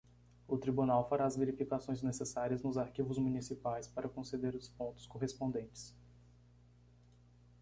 O tribunal fará as verificações necessárias nos arquivos municipais para conceder os pontos correspondentes.